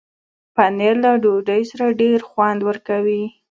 پنېر له ډوډۍ سره ډېر خوند ورکوي.